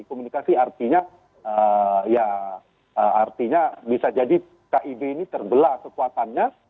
komunikasi artinya ya artinya bisa jadi kib ini terbelah kekuatannya